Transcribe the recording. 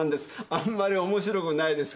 あんまり面白くないですか？